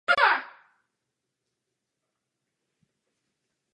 Rostlina vykvétá od dubna do června.